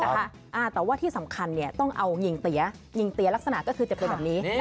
แต่ว่าที่สำคัญต้องเอายิงเตี๋ยยิงเตี๋ยลักษณะก็คือจะเป็นแบบนี้